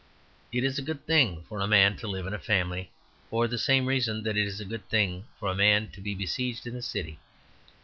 It is a good thing for a man to live in a family for the same reason that it is a good thing for a man to be besieged in a city.